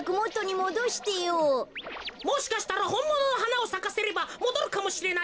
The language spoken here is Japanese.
もしかしたらほんもののはなをさかせればもどるかもしれないぜ。